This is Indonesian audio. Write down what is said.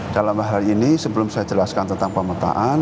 dalam hal ini sebelum saya jelaskan tentang pemetaan